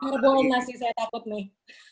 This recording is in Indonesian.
tidak saya takut nih